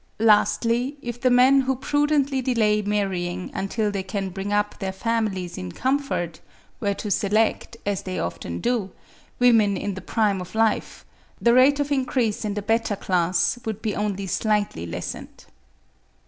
Lastly, if the men who prudently delay marrying until they can bring up their families in comfort, were to select, as they often do, women in the prime of life, the rate of increase in the better class would be only slightly lessened.